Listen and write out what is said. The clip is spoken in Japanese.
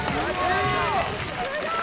すごい！